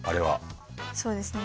そうですね。